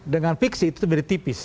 dengan fiksi itu menjadi tipis